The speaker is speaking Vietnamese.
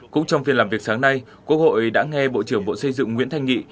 cũng trong phiên làm việc sáng nay quốc hội đã nghe bộ trưởng bộ xây dựng nguyễn thanh nghị